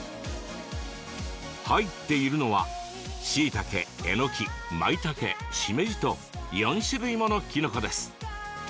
入っているのはしいたけ、えのき、まいたけしめじと４種類もの、きのこです。